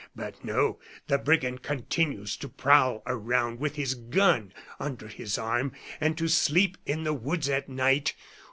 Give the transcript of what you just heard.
But no; the brigand continues to prowl around with his gun under his arm, and to sleep in the woods at night.